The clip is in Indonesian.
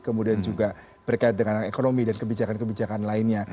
kemudian juga berkait dengan ekonomi dan kebijakan kebijakan lainnya